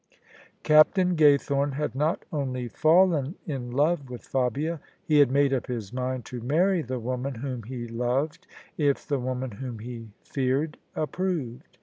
Captain Gaythorne had not only fallen in love with Fabia: he had made up his mind to marry the woman whom he loved if the woman whom he feared approved.